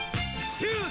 シュート！